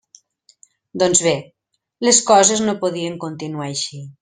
Doncs bé, les coses no podien continuar així.